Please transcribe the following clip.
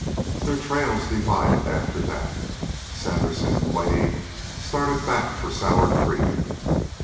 2 Their trails divided after that. Sandersen and Quade started back for Sour Creek.